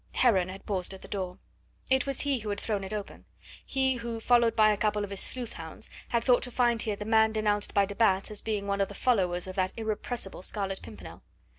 Heron had paused at the door. It was he who had thrown it open he who, followed by a couple of his sleuth hounds, had thought to find here the man denounced by de Batz as being one of the followers of that irrepressible Scarlet Pimpernel.